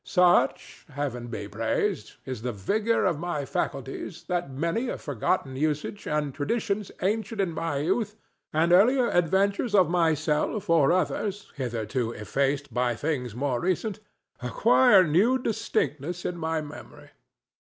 Such, Heaven be praised! is the vigor of my faculties that many a forgotten usage, and traditions ancient in my youth, and early adventures of myself or others hitherto effaced by things more recent, acquire new distinctness in my memory.